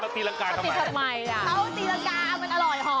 เขาตีลังกามันอร่อยเหรอ